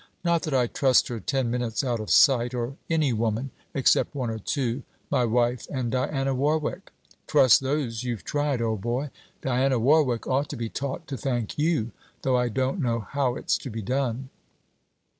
Not that I trust her ten minutes out of sight or any woman, except one or two; my wife and Diana Warwick. Trust those you've tried, old boy. Diana Warwick ought to be taught to thank you; though I don't know how it's to be done.'